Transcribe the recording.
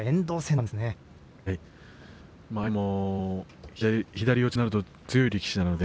相手も左四つになると強い力士です。